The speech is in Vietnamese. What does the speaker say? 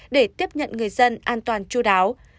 để tiếp nhận người dân an toàn chú đáo